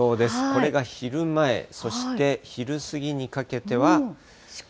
これが昼前、そして昼過ぎにかけては。